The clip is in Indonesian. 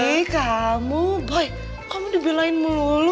ihh kamu boy kamu dibelain melulu